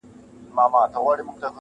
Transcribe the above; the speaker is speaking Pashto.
شپږي څرنگه له سر څخه ټولېږي،